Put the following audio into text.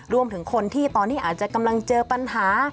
รวมถึงคนที่ตอนนี้อาจจะกำลังเจอปัญหา